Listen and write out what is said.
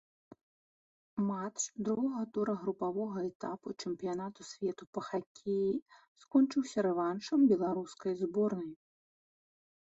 Матч другога тура групавога этапу чэмпіянату свету па хакеі скончыўся рэваншам беларускай зборнай.